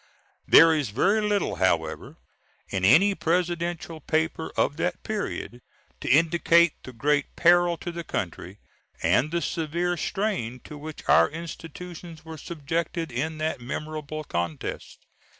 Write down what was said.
There is very little, however, in any Presidential paper of that period to indicate the great peril to the country and the severe strain to which our institutions were subjected in that memorable contest.